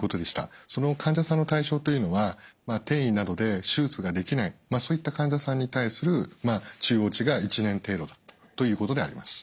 その患者さんの対象というのは転移などで手術ができないそういった患者さんに対する中央値が１年程度だということであります。